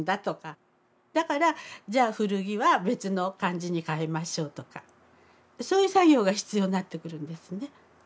だからじゃあ古着は別の漢字に変えましょうとかそういう作業が必要になってくるんですね。